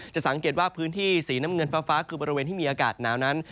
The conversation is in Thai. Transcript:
สังเกตว่าพื้นที่สีน้ำเงินฟ้าคือบริเวณที่มีอากาศหนาวนั้น